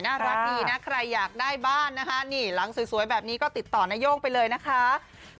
น่ารักดีนะใครอยากได้บ้านนะคะนี่หลังสวยแบบนี้ก็ติดต่อนโย่งไปเลยนะคะ